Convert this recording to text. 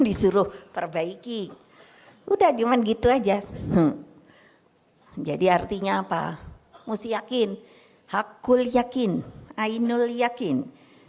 disuruh perbaiki udah cuman gitu aja jadi artinya apa mesti yakin hakul yakin ainul yakin